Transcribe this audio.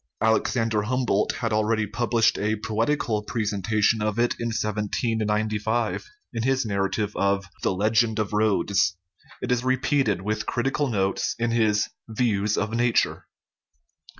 Alexander Humboldt had already published a poetical presentation of it in 1795, in his narrative of the Legend of Rhodes ; it is repeated, with critical notes, in his Views of Nature.